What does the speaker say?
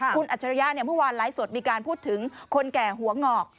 คุณอัจฉริยะเมื่อวานไลฟ์สดมีการพูดถึงคนแก่หัวงอก